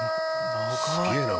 すげえな！